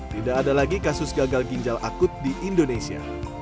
tidak ada lagi kasus gagal ginjal akut di indonesia